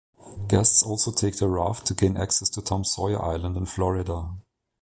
Guests also take the raft to gain access to Tom Sawyer Island in Florida.